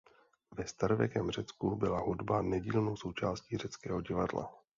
Ve starověkém Řecku byla hudba nedílnou součástí řeckého divadla.